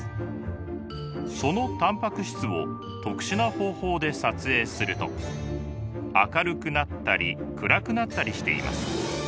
そのタンパク質を特殊な方法で撮影すると明るくなったり暗くなったりしています。